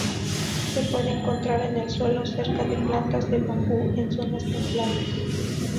Se puede encontrar en el suelo cerca de plantas de bambú, en zonas templadas.